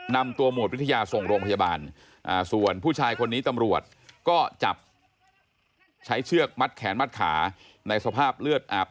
นำตัวหมวดพิทยาส่งโรงพยาบาล